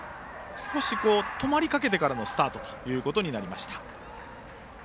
少し止まりかけてからのスタートとなりました。